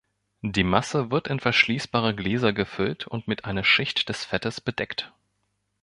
Die Masse wird in verschließbare Gläser gefüllt und mit einer Schicht des Fettes bedeckt.